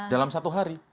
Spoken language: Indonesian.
dalam satu hari